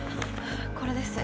これです。